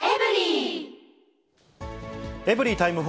エブリィタイム４。